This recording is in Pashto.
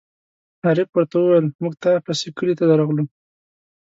عارف ور ته وویل: مونږ تا پسې کلي ته درغلو.